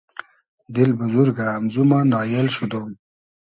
دیل بوزورگۂ امزو ما نایېل شودۉم